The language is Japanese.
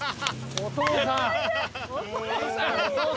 お父さん。